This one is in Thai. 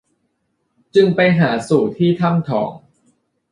จึงไปหาสู่ที่ถ้ำทอง